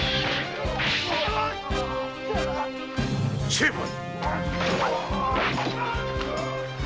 成敗！